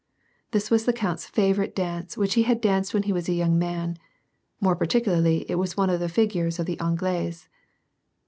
" This was the count's favorite dance, which he had danced when he was a young man (more particularly it was one of the figures of the Anglaise).